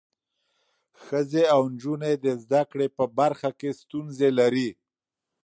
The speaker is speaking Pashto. ښځې او نجونې د زده کړې په برخه کې ستونزې لري.